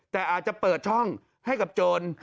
แต่อาจจะเปิดช่องให้กับโจร